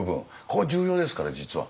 ここ重要ですから実は。